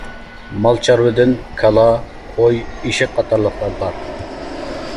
مال-چارۋىدىن كالا، قوي، ئېشەك قاتارلىقلار بار.